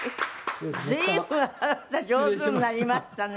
随分あなた上手になりましたね。